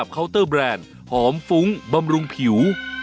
เบรกไหมเบรกซิเบรกไปอยู่น้ำแล้ว